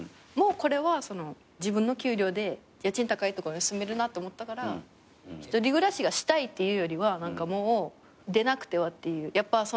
もうこれは自分の給料で家賃高いところに住めるなって思ったから１人暮らしがしたいっていうよりは何かもう出なくてはっていう。